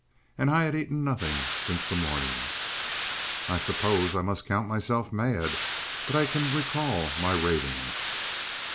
And I had eaten nothing since the morning. I suppose I must count myself mad, but I can recall my ravings.